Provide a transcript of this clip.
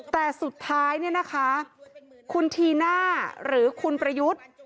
แต่สุดท้ายเนี่ยนะคะคุณธีน่าหรือคุณประยุทธ์